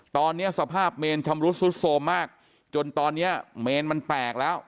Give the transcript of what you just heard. ตอนนี้สภาพเมนชำรุดสุดโทรมมากจนตอนนี้เมนมันแตกแล้ว